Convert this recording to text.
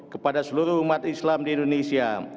kepada seluruh umat islam di indonesia